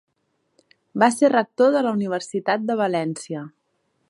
Va ser rector de la Universitat de València.